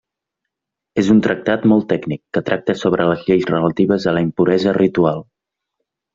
És un tractat molt tècnic, que tracta sobre les lleis relatives a la impuresa ritual.